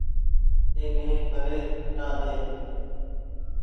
اي ني پري هٽآ ۮي ۔